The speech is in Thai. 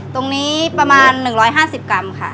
ตรงนี้ประมาณ๑๕๐กรัมค่ะ